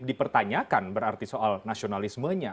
dipertanyakan berarti soal nasionalismenya